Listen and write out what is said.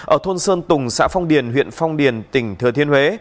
ở thôn sơn tùng xã phong điền huyện phong điền tỉnh thừa thiên huế